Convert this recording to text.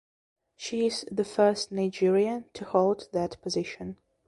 She is the first Nigerian to hold that position.